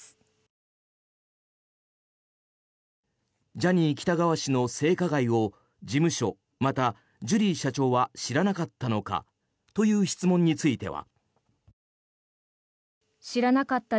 ジャニー喜多川氏の性加害を事務所、またジュリー社長は知らなかったのかという質問については。